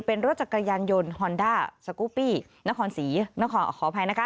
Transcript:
เป็นรถจักรยานยนต์ฮอนด้าสกูปปี้นครศรีนครขออภัยนะคะ